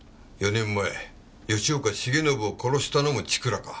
４年前吉岡繁信を殺したのも千倉か？